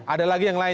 ada lagi yang lain